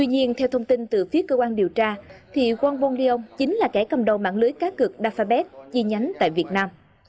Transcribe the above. nhưng theo thông tin từ phía cơ quan điều tra thì wong bon leong chính là kẻ cầm đầu mạng lưới cá cược đặt phai bét chi nhánh tại việt nam